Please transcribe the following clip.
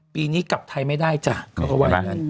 ปีนี้กลับไทยไม่ได้จ้ะเขาก็ว่าอย่างนั้น